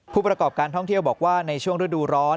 ผู้ประกอบการท่องเที่ยวบอกว่าในช่วงฤดูร้อน